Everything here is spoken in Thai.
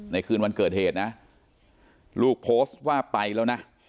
คืนวันเกิดเหตุนะลูกโพสต์ว่าไปแล้วนะ